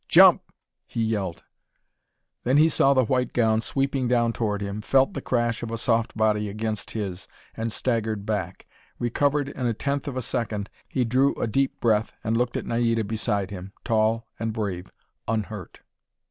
"Jump!" he yelled. Then he saw the white gown sweeping down toward him, felt the crash of a soft body against his, and staggered back. Recovered in a tenth of a second, he drew a deep breath, and looked at Naida beside him, tall and brave, unhurt.